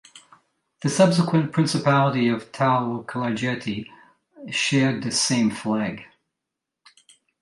The subsequent Principality of Tao-Klarjeti, shared this same flag.